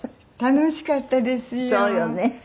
楽しかったですよ。